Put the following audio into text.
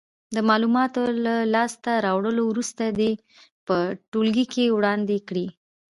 د معلوماتو له لاس ته راوړلو وروسته دې په ټولګي کې وړاندې کړې.